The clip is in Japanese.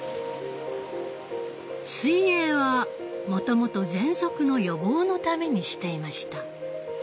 水泳はもともと喘息の予防のためにしていました。